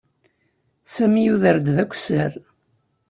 Sami yuder-d d akessar.